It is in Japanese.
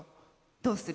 「どうする？